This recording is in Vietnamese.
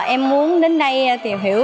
em muốn đến đây tìm hiểu